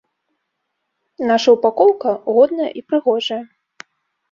Наша упакоўка годная і прыгожая.